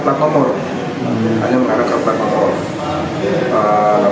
namun untuk sampai saat ini dari pihak kami pihak kepolisian